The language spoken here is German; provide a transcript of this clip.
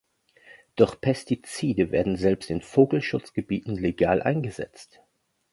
Doch Pestizide werden selbst in Vogelschutzgebieten legal eingesetzt.